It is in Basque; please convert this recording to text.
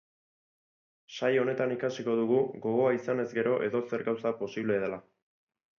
Saio honetan ikasiko dugu, gogoa izanez gero edozer gauza posible dela.